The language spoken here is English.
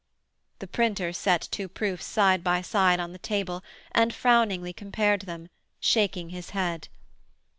The printer set two proofs side by side on the table and frowningly compared them, shaking his head.